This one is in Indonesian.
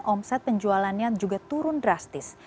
omset penjualannya juga turun drastis